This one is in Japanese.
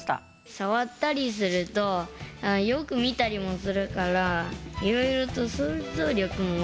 さわったりするとよく見たりもするからいろいろと想像力もわいてくる。